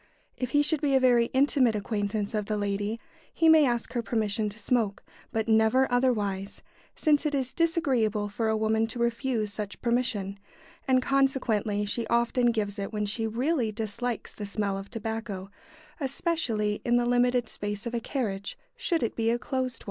If he should be a very intimate acquaintance of the lady, he may ask her permission to smoke, but never otherwise, since it is disagreeable for a woman to refuse such permission, and consequently she often gives it when she really dislikes the smell of tobacco, especially in the limited space of a carriage, should it be a closed one.